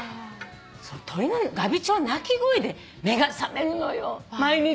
鳥のガビチョウの鳴き声で目が覚めるのよ毎日。